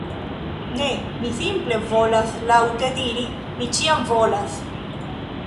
Ne, mi simple volas laŭte diri "Mi ĉiam volas!"